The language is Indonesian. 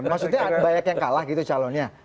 maksudnya banyak yang kalah gitu calonnya